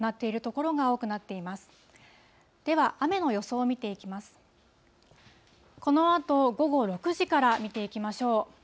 このあと午後６時から見ていきましょう。